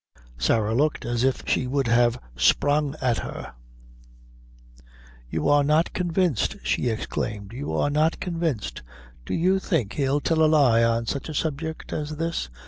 Sarah looked as if she would have sprang at her. "You are not convinced," she exclaimed; "you are not convinced! Do you think he'd tell a lie on such a subject as this?"